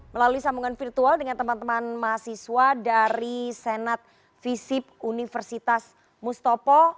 melalui sambungan virtual dengan teman teman mahasiswa dari senat visip universitas mustafa